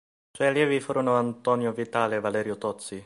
Suoi allievi furono Antonio Vitale e Valerio Tozzi.